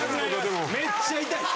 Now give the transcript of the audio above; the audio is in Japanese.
めっちゃ痛いです。